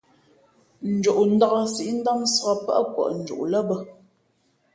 Njoʼndāk síʼ ndámsāk pάʼ kwαʼ njoʼ lά bᾱ.